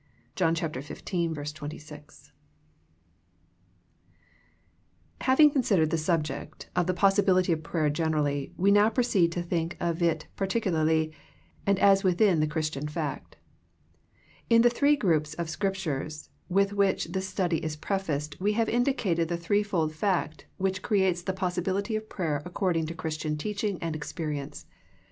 — John 15: 26. Ill THE PLATFORM OF PRAYER IlAViNa considered the subject of the possi bility of prayer generally, we now proceed to think of it particularly, and as within the Chris tian fact. In the three groups of Scriptures with which this study is prefaced we have indicated the threefold fact which creates the possibility of prayer according to Christian teaching and ex perience.